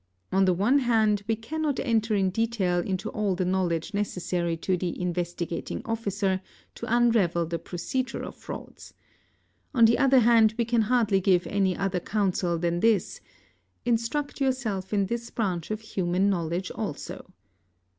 On the one hand we cannot enter in detail into all the knowledge necessary to the Investigating Officer to unravel the procedure of frauds. On the other hand we can hardly give ——— i any other counsel than this, " Instruct yourself in this branch of human io _ knowledge also".